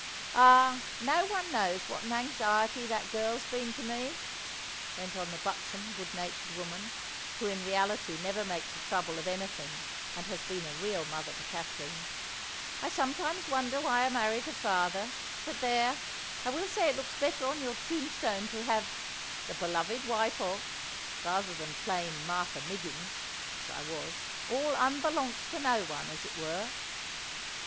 "Ah, no one knows what an anxiety that girl's been to me," went on the buxom, good natured woman, who in reality never makes a trouble of anything, and has been a real mother to Kathleen. "I sometimes wonder why I married her father! But there, I will say it looks better on your tombstone to have 'The beloved wife of,' rather than plain Martha Miggins (as I was), all unbelongst to no one, as it were."